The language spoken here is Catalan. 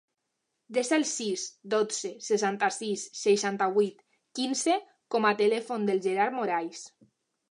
Desa el sis, dotze, setanta-sis, seixanta-vuit, quinze com a telèfon del Gerard Morais.